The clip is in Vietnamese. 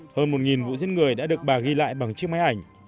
hơn một vụ giết người đã được bà ghi lại bằng chiếc máy ảnh